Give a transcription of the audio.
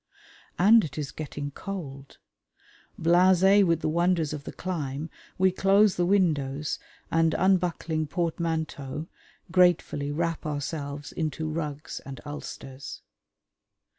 And it is getting cold. Blasé with the wonders of the climb, we close the windows and, unbuckling portmanteaux, gratefully wrap ourselves into rugs and ulsters.